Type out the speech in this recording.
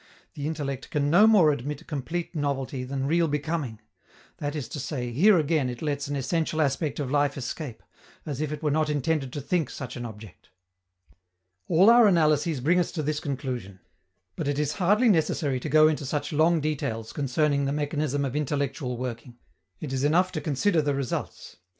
The intellect can no more admit complete novelty than real becoming; that is to say, here again it lets an essential aspect of life escape, as if it were not intended to think such an object. All our analyses bring us to this conclusion. But it is hardly necessary to go into such long details concerning the mechanism of intellectual working; it is enough to consider the results.